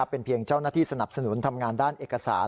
เป็นเพียงเจ้าหน้าที่สนับสนุนทำงานด้านเอกสาร